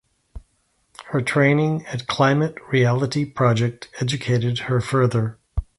Her training at Climate Reality Project educated her further.